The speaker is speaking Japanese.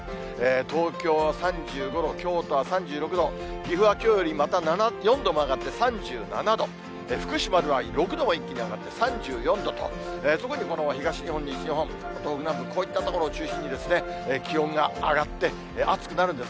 東京は３５度、京都は３６度、岐阜はきょうよりまた４度も上がって３７度、福島では６度も一気に上がって３４度と、特に東日本、西日本、東北南部、こういった所を中心に、気温が上がって、暑くなるんです。